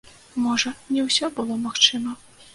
Можа, не ўсё было магчыма!